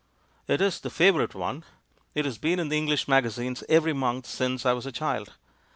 "It is the favourite one — it has been in the English magazines every month since I was a child.